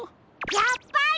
やっぱり！